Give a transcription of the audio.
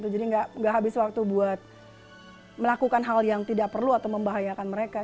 jadi nggak habis waktu buat melakukan hal yang tidak perlu atau membahayakan mereka